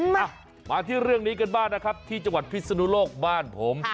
มาที่เรื่องนี้กันบ้างนะครับที่จังหวัดพิศนุโลกบ้านผม